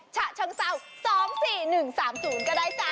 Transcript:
ฉะเชิงเศร้าสองสี่หนึ่งสามศูนย์ก็ได้จ้า